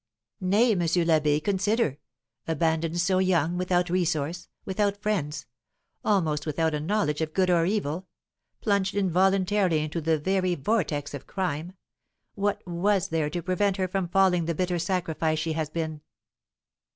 "Nay, M. l'Abbé, consider. Abandoned so young, without resource, without friends, almost without a knowledge of good or evil, plunged involuntarily into the very vortex of crime, what was there to prevent her from falling the bitter sacrifice she has been?"